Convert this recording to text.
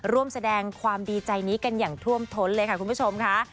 ร่วมแสดงความดีใจนี้กันอย่างท่วมท้นเลยค่ะคุณผู้ชมค่ะ